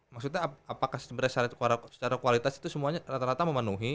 maksudnya apakah sebenarnya secara kualitas itu semuanya rata rata memenuhi